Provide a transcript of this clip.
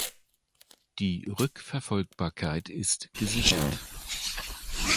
Die Rückverfolgbarkeit ist gesichert.